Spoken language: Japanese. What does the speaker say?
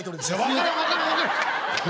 分からん分からん分からん！